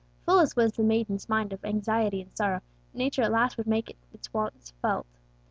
Full as was the maiden's mind of anxiety and sorrow, nature at last would make its wants felt.